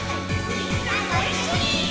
「みんなごいっしょにー！